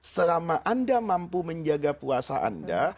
selama anda mampu menjaga puasa anda